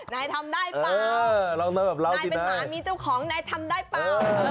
นายทำได้เปล่านายเป็นหมามีเจ้าของนายทำได้เปล่า